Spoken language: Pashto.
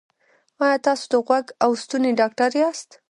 ایا تاسو د غوږ او ستوني ډاکټر یاست؟